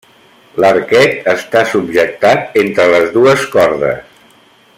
L’arquet està subjectat entre les dues cordes.